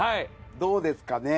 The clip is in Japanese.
どうですかね？